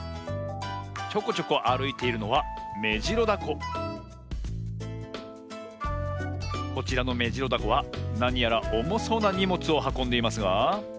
ちょこちょこあるいているのはこちらのメジロダコはなにやらおもそうなにもつをはこんでいますが。